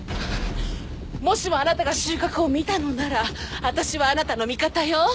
もしもあなたが収穫を見たのならあたしはあなたの味方よ。